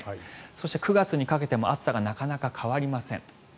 そして、９月にかけても暑さがなかなか変わりません。